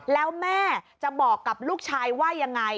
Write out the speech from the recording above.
แล้วแม่จะบอกกับลูกชายว่ายังไง